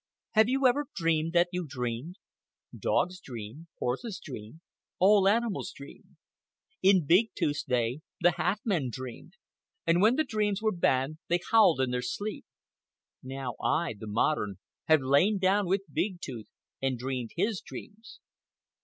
Have you ever dreamed that you dreamed? Dogs dream, horses dream, all animals dream. In Big Tooth's day the half men dreamed, and when the dreams were bad they howled in their sleep. Now I, the modern, have lain down with Big Tooth and dreamed his dreams.